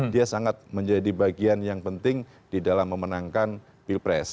dia sangat menjadi bagian yang penting di dalam memenangkan pilpres